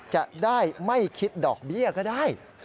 จะได้ไม่คิดดอกเบี้ยก็ได้